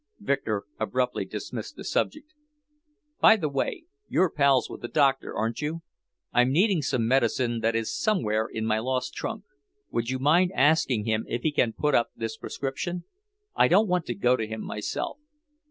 Victor abruptly dismissed the subject. "By the way, you're pals with the doctor, aren't you? I'm needing some medicine that is somewhere in my lost trunk. Would you mind asking him if he can put up this prescription? I don't want to go to him myself.